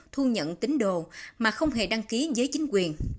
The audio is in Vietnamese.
thu nhận tính đồ mà không hề đăng ký giới chính quyền